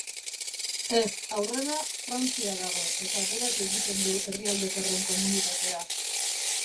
Ez, aurrena Frantzia dago, eta berak egiten du herrialdetarren komunitatea.